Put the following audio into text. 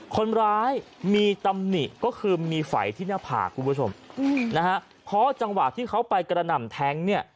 คนร้ายมีตำหนิก็คือมีไฝที่หน้าผากคุณผู้ชมนะฮะเพราะจังหวะที่เขาไปกระหน่ำแท้งเนี่ย